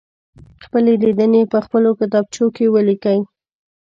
خپلې لیدنې په خپلو کتابچو کې ولیکئ.